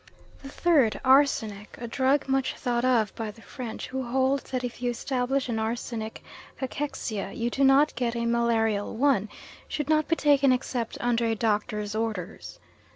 The third, arsenic a drug much thought of by the French, who hold that if you establish an arsenic cachexia you do not get a malarial one should not be taken except under a doctor's orders.